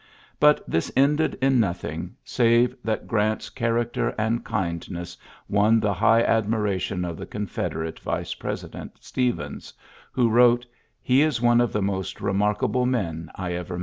But this ended in nothing, save that Grant's character and kindness won the high admiration of the Confederate vice president^ Stephens, who wrote : ^'He is one of the most remarkable men I ever